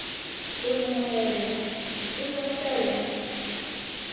Що за матерія, що за матерія!